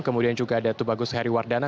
kemudian juga datu bagus heriwardana